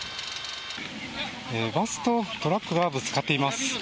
バスとトラックがぶつかっています。